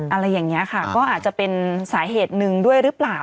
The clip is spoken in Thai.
อะไรอย่างนี้ค่ะก็อาจจะเป็นสาเหตุหนึ่งด้วยหรือเปล่า